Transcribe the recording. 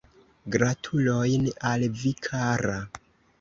Gratulojn al vi kara.